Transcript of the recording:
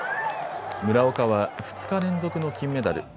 村岡は２日連続の金メダル。